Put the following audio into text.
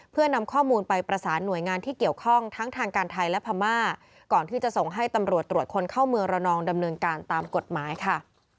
เพื่อนำข้อมูลไปประสานหน่วยงานที่เกี่ยวข้องทั้งทางการไทยและพม่าก่อนที่จะส่งให้ตำรวจตรวจคนเข้าเมืองระนองดำเนินการตามกฎหมายค่ะ